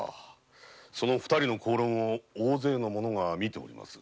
その二人の口論を大勢の者が見ております。